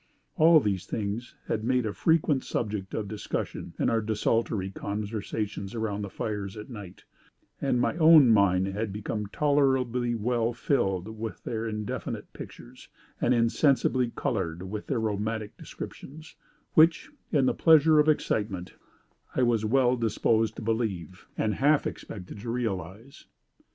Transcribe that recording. All these things had made a frequent subject of discussion in our desultory conversations around the fires at night; and my own mind had become tolerably well filled with their indefinite pictures, and insensibly colored with their romantic descriptions, which, in the pleasure of excitement, I was well disposed to believe, and half expected to realize.